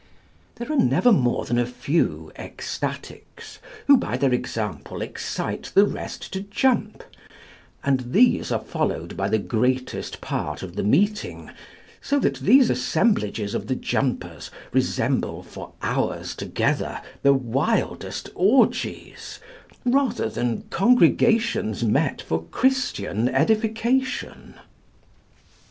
There are never more than a few ecstatics, who, by their example, excite the rest to jump, and these are followed by the greatest part of the meeting, so that these assemblages of the Jumpers resemble for hours together the wildest orgies, rather than congregations met for Christian edification.